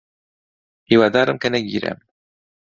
هیوادارم کە نەگیرێم.